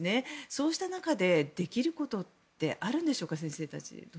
そうした中で、できることってあるんでしょうか。